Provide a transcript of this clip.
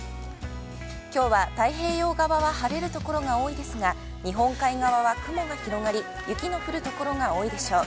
きょうは、太平洋側は晴れるところが多いですが、日本海側は雲が広がり、雪の降る所が多いでしょう。